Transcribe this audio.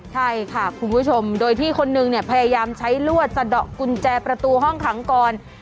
ใช่ค่ะคุณผู้ชมโดยที่คนนึงเนี่ยพยายามใช้ลวดสะดอกกุญแจประตูห้องขังก่อน